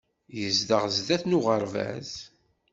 Yezdeɣ sdat n uɣerbaz